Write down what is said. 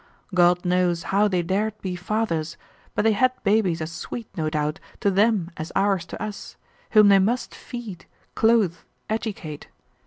God knows how they dared be fathers, but they had babies as sweet, no doubt, to them as ours to us, whom they must feed, clothe, educate.